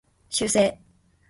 修正